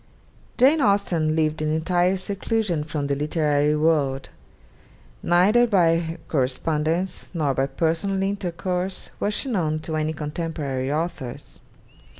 Jane Austen lived in entire seclusion from the literary world: neither by correspondence, nor by personal intercourse was she known to any contemporary authors.